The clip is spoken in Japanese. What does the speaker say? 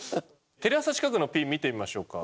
テレ朝近くのピン見てみましょうか。